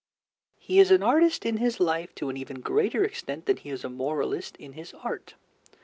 He is an artist in his life to an even greater extent than he is a moralist in his art.